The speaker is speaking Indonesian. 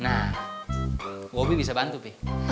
nah wobi bisa bantu pi